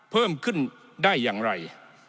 เพิ่มขึ้นได้อย่างไร